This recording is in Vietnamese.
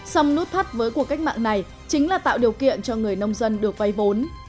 song nút thắt với cuộc cách mạng này chính là tạo điều kiện cho người nông dân được vay vốn